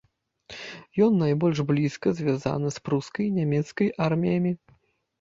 Ён найбольш блізка звязаны з прускай і нямецкай арміямі.